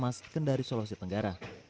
mas kendari sulawesi tenggara